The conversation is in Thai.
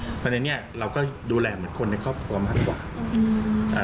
เพราะฉะนั้นเนี่ยเราก็ดูแลเหมือนคนในครอบครัวมากกว่าอืม